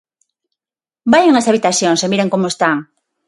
Vaian ás habitacións e miren como están.